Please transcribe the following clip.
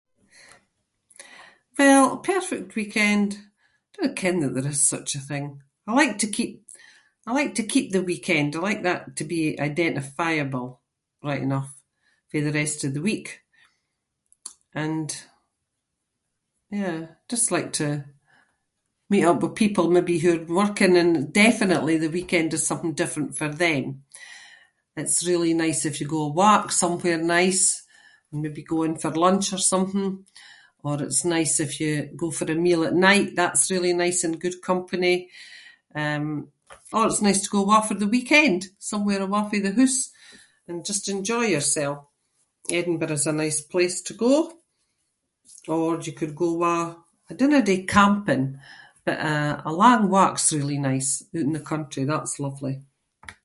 Well, a perfect weekend- I don’t ken that there is such a thing. I like to keep- I like to keep the weekend. I like that to be identifiable, right enough, fae the rest of the week. And, yeah, just like to meet up with people maybe who are working and definitely the weekend is something different for them. It’s really nice if you go a walk somewhere nice, maybe going for lunch or something, or it’s nice if you go for a meal at night. That’s really nice and good company. Um, or it’s nice to go awa’ for the weekend, somewhere awa’ fae the hoose and just enjoy yersel. Edinburgh’s a nice place to go or you could go awa’- I dinna do camping but, eh, a lang walk’s really nice oot in the country. That’s lovely.